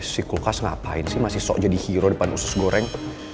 si kulkas ngapain sih masih sok jadi hero depan usus goreng